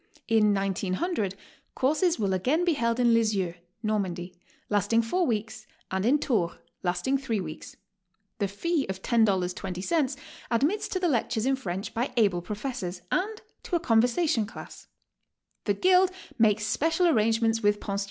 In 190O courses will again be held in Lisieux (Normandy), lasting four weeks, and in Tours, lasting three weeks. The fee of $10.20 admits to the lectures in French by able professors, and to a conversa tion class, The Guild makes special arrangements with i66 GOING ABROAD?